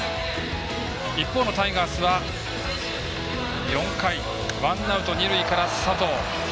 一方のタイガースは４回ワンアウト、二塁から佐藤。